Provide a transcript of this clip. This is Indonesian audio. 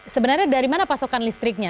sebenarnya dari mana pasokan listriknya